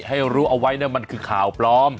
ให้รู้เอาไว้มันคือข่าวปลอม